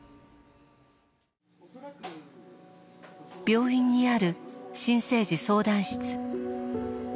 病院にある新生児相談室。